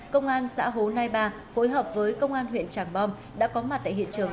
công an xã hồ nai ba phối hợp với công an huyện tràng bom đã có mặt tại hiện trường